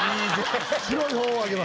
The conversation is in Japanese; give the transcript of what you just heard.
白い方をあげます。